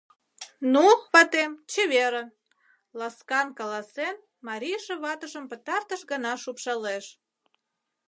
— Ну, ватем, чеверын! — ласкан каласен, марийже ватыжым пытартыш гана шупшалеш.